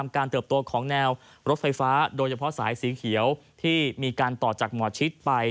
เติบโตของแนวรถไฟฟ้าโดยเฉพาะสายสีเขียวที่มีการต่อจากหมอชิดไป